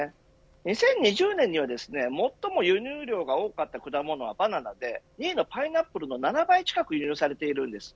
２０２０年には最も輸入量が多かった果物はバナナで２位のパイナップルの７倍近く輸入されているんです。